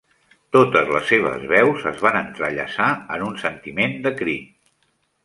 Totes les seves veus es van entrellaçar en un sentiment de crit.